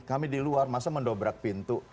kami di luar masa mendobrak pintu